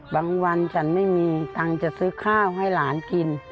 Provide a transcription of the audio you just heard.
วันฉันไม่มีตังค์จะซื้อข้าวให้หลานกิน